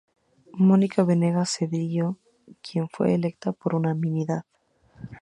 Mónica Banegas Cedillo, quien fue electa por unanimidad.